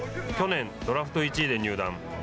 去年、ドラフト１位で入団。